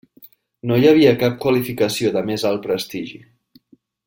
No hi havia cap qualificació de més alt prestigi.